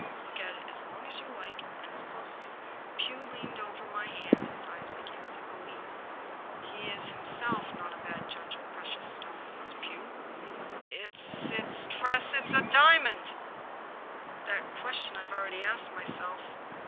Look at it as long as you like, and as closely." Pugh leaned over my hand. His eyes began to gleam. He is himself not a bad judge of precious stones, is Pugh. " It's — it's — ^Tress !— is it a diamond ?"" That question I have already asked myself."